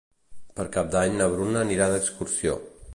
Per Cap d'Any na Bruna anirà d'excursió.